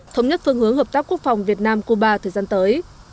thống nhất phương hướng hợp tác quốc phòng việt nam cuba thời gian tới